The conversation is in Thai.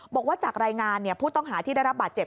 บอกว่าจากรายงานผู้ต้องหาที่ได้รับบาดเจ็บ